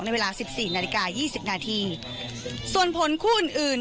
ในเวลา๑๔นาฬิกา๒๐นาทีส่วนผลคู่อื่น